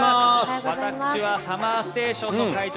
私はＳＵＭＭＥＲＳＴＡＴＩＯＮの会場